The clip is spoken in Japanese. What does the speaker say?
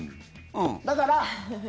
だから。